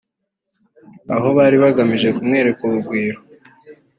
aho bari bagamije kumwereka urugwiro